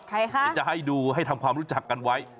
ใครคะไม่ได้ให้ดูให้ทำความรู้จักกันไว้